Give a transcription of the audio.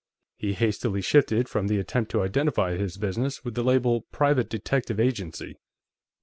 He hastily shifted from the attempt to identify his business with the label, "private detective agency."